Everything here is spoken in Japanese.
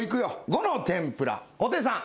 伍の天ぷら布袋さん